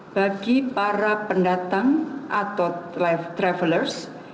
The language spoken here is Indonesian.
bagi para pendatang atau travelers